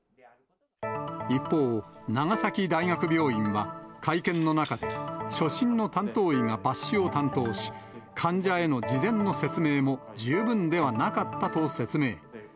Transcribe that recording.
一方、長崎大学病院は会見の中で、初診の担当医が抜歯を担当し、患者への事前の説明も十分ではなかったと説明。